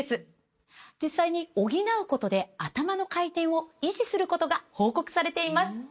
実際に補うことでアタマの回転を維持することが報告されています